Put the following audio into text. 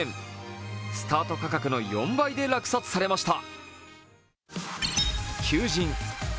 スタート価格の４倍で落札されました。